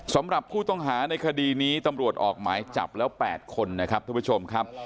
สำหรับผู้ต้องหาในคดีนี้ตำรวจออกหมายจับแล้ว๘คนนะครับทุกผู้ชมครับ